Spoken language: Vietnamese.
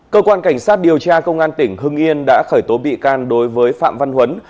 cơ quan cảnh sát điều tra công an tỉnh hưng yên đã khởi tố bị can đối với phạm văn huấn